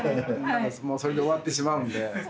もうそれで終わってしまうんで。